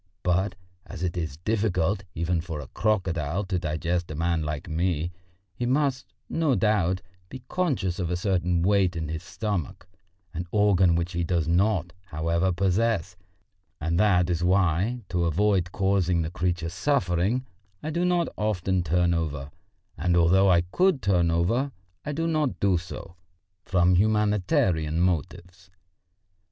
But as it is difficult even for a crocodile to digest a man like me, he must, no doubt, be conscious of a certain weight in his stomach an organ which he does not, however, possess and that is why, to avoid causing the creature suffering, I do not often turn over, and although I could turn over I do not do so from humanitarian motives.